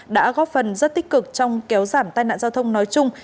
đã góp phần rất tích cực trong kéo giảm tai nạn giao thông nói chung